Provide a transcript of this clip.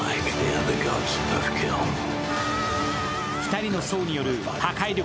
２人のソーによる破壊力